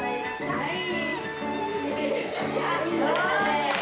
はい。